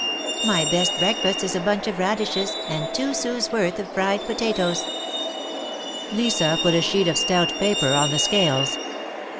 My best break fast is a bunch of radishes, and two sous worth of fried potatoes." Lisa put a sheet of stout paper on the scales.